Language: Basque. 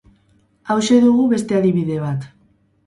Hauxe dugu beste adibide bat.